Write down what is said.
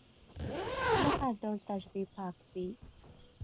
له هر ډول تشبیه پاک وي.